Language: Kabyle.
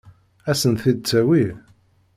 Ad sen-t-id-tawi?